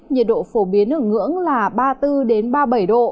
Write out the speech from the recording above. nhiệt độ phổ biến ở ngưỡng là ba mươi bốn ba mươi bảy độ